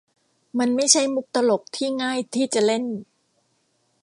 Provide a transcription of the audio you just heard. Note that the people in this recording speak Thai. มันไม่ใช่มุกตลกที่ง่ายที่จะเล่น